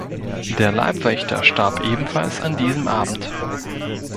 Der Leibwächter starb ebenfalls an diesem Abend.